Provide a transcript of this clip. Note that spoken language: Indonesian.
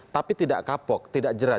tapi tidak kapok tidak jerat